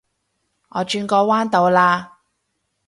我轉個彎到啦